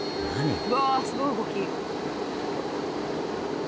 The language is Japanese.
うわすごい動き。